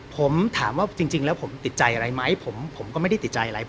ผมถามว่าจริงแล้วผมติดใจอะไรไหมผมก็ไม่ได้ติดใจอะไร